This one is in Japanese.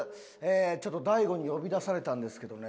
ちょっと大悟に呼び出されたんですけどね